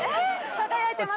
輝いてます。